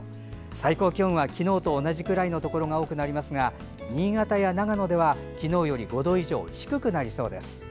最高気温は昨日と同じくらいのところが多くなりますが新潟や長野では昨日より５度以上低くなりそうです。